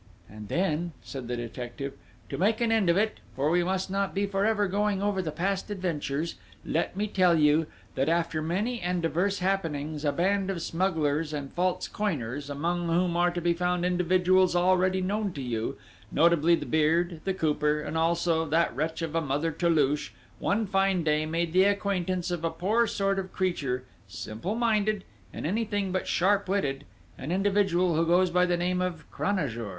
"And then," said the detective, "to make an end of it for we must not be forever going over the past adventures let me tell you, that after many and diverse happenings, a band of smugglers and false coiners, among whom are to be found individuals already known to you, notably the Beard, the Cooper, and also that wretch of a Mother Toulouche, one fine day made the acquaintance of a poor sort of creature, simple minded, and anything but sharp witted an individual who goes by the name of Cranajour!"